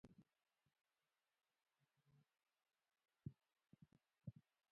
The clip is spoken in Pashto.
هغه لکه چې زما په خبره پوی شوی و.